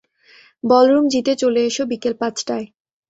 Ballroom জি তে চলে এসো বিকেল পাঁচটায়।